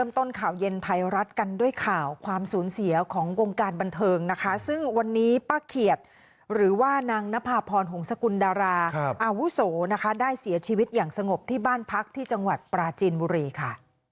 ต้นข่าวเย็นไทยรัฐกันด้วยข่าวความสูญเสียของวงการบันเทิงนะคะซึ่งวันนี้ป้าเขียดหรือว่านางนภาพรหงษกุลดาราอาวุโสนะคะได้เสียชีวิตอย่างสงบที่บ้านพักที่จังหวัดปราจีนบุรีค่ะ